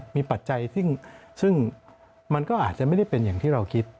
มีปัจจัยซึ่งมันก็อาจจะไม่ได้เป็นอย่างที่เราคิด